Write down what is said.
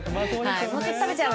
「食べちゃう！」